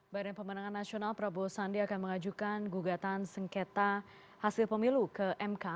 badan pemenangan nasional prabowo sandi akan mengajukan gugatan sengketa hasil pemilu ke mk